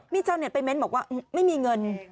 มีชาวเน็ตไปเม้นบอกว่าไม่มีเงิน